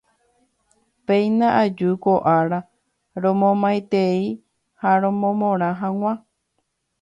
Péina aju ko ára romomaitei ha romomorã hag̃ua.